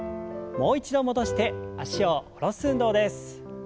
もう一度戻して脚を下ろす運動です。